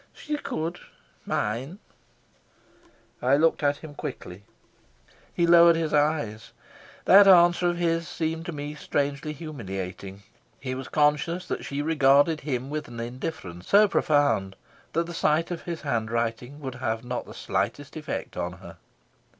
"She could mine." I looked at him quickly. He lowered his eyes. That answer of his seemed to me strangely humiliating. He was conscious that she regarded him with an indifference so profound that the sight of his handwriting would have not the slightest effect on her.